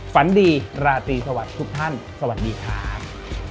ฝันดีราตรีสวัสดีทุกท่านสวัสดีครับ